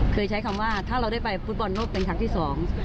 ใช้คำว่าถ้าเราได้ไปฟุตบอลโลกเป็นครั้งที่สอง